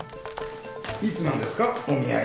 いつなんですかお見合い？